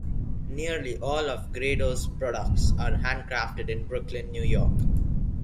Nearly all of Grado's products are hand-crafted in Brooklyn, New York.